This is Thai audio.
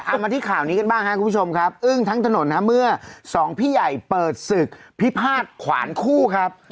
เอามาที่ข่าวนี้กันบ้างครับคุณผู้ชมครับอึ้งทั้งถนนฮะเมื่อสองพี่ใหญ่เปิดศึกพิพาทขวานคู่ครับ